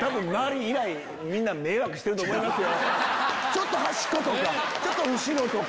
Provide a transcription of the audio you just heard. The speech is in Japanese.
ちょっと端っことか後ろとか。